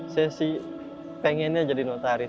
saya sih pengennya jadi notaris